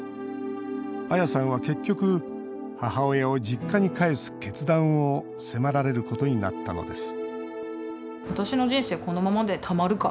アヤさんは結局母親を実家に帰す決断を迫られることになったのです